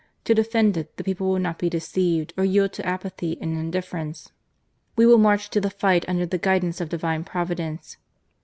To defend it, the people will not be deceived or )aeld to apathy and indifference. We will march to the fight under the guidance of Divine Providence.